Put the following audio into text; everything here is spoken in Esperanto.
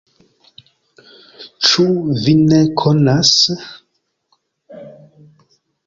Ĉu vi ne konas?